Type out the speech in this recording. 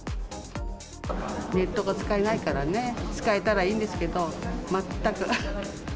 ネットが使えないからね、使えたらいいんですけど、全く。